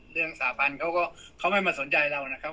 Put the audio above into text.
สาบันเขาก็เขาไม่มาสนใจเรานะครับ